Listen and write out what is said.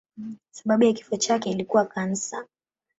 Sababu ya kifo chake ilikuwa kansa.